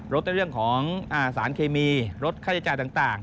ในเรื่องของสารเคมีลดค่าใช้จ่ายต่าง